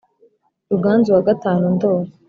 ruganzu wa gatanundoli